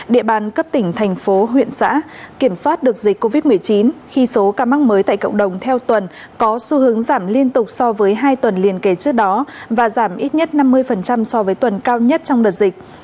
địa bàn cấp tỉnh thành phố huyện xã kiểm soát được dịch covid một mươi chín khi số ca mắc mới tại cộng đồng theo tuần có xu hướng giảm liên tục so với hai tuần liên kế trước đó và giảm ít nhất năm mươi so với tuần cao nhất trong đợt dịch